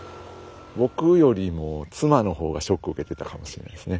僕よりも妻の方がショックを受けてたかもしれないですね。